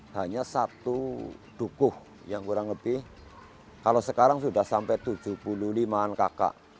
hanya satu dukuh yang kurang lebih kalau sekarang sudah sampai tujuh puluh lima an kakak